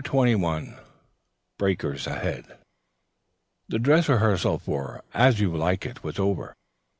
CHAPTER XXI BREAKERS AHEAD The dress rehearsal for "As You Like It" was over.